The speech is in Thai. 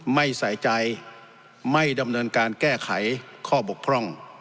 ไม่ใส่ใจไม่ดำเนินการแก้ไขข้อบกพร่อง